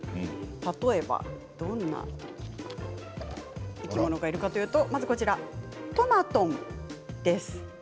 例えばどんな生き物がいるかというとトマトンです。